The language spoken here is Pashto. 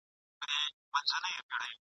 له سهاره تر ماښامه تله راتلله ..